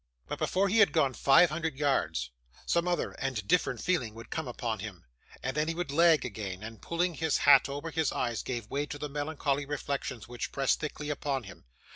But, before he had gone five hundred yards, some other and different feeling would come upon him, and then he would lag again, and pulling his hat over his eyes, give way to the melancholy reflections which pressed thickly upon him.